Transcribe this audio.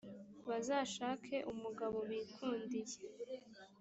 bazashake umugabo bikundiye